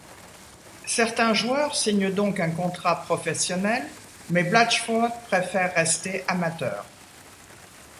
Certains joueurs signent donc un contrat professionnel mais Blachford préfère rester amateur.